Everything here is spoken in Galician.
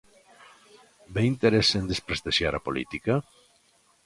Ve interese en desprestixiar a política?